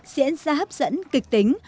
diễn ra hấp dẫn kịch tính